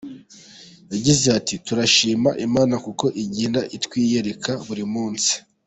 Yagize ati “Turashima Imana kuko igenda itwiyereka buri munsi.